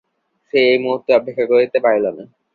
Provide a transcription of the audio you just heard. সে এক মুহূর্ত অপেক্ষা করিতে পারিল না।